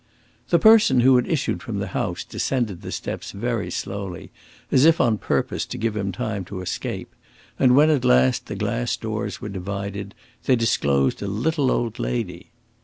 The person who had issued from the house descended the steps very slowly, as if on purpose to give him time to escape; and when at last the glass doors were divided they disclosed a little old lady.